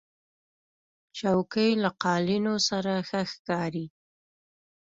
چوکۍ له قالینو سره ښه ښکاري.